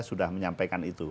sudah menyampaikan itu